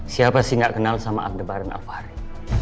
siapa sih gak kenal sama aldebaran al fahri